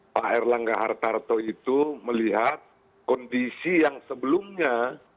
pak erlangga hartarto itu melihat kondisi yang sebelumnya